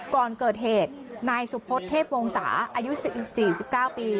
ก่อนเกิดเหตุนายสุภธเทพวงศาอายุสี่สี่สี่เก้าปี